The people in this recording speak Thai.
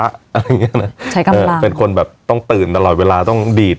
อะไรอย่างเงี้ยนะใช้กำลังเป็นคนแบบต้องตื่นตลอดเวลาต้องดีด